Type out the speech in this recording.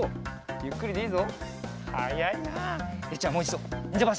ゆっくりでいいぞ。